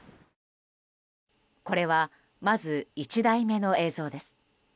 これはまず１台目の映像です。